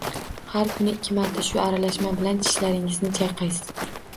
Har kuni ikki marta shu aralashma bilan tishlaringizni chayqaysiz.